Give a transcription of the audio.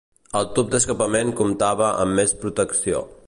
El tub d'escapament comptava amb més protecció.